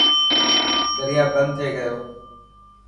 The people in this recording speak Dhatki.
دريا بند ٿي گيو.